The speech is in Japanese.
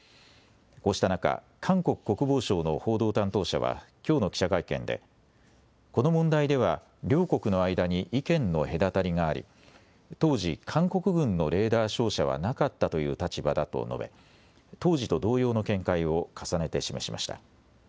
こうした中、韓国国防省の報道担当者はきょうの記者会見でこの問題では両国の間に意見の隔たりがあり当時、韓国軍のレーダー照射はなかったという立場だと述べ当時と同様の見解を重ねて示しました。